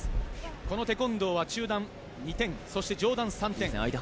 このテコンドーは中段２点そして上段３点。